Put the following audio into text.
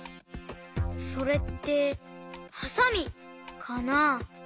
それってはさみかな？